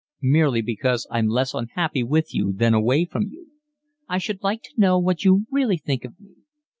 "Merely because I'm less unhappy with you than away from you." "I should like to know what you really think of me."